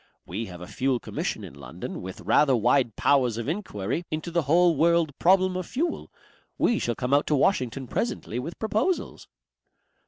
We have a Fuel Commission in London with rather wide powers of enquiry into the whole world problem of fuel. We shall come out to Washington presently with proposals."